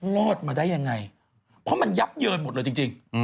รอดมาได้ยังไงเพราะมันยับเยินหมดเลยจริง